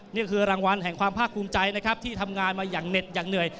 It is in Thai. นี่คือรางวัลแห่งความภาคภูมิใจนะครับที่ทำงานมาอย่างเหน็ดอย่างเหนื่อย